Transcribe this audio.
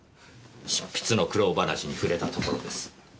執筆の苦労話に触れたところです。